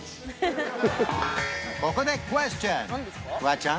ここでクエスチョンフワちゃん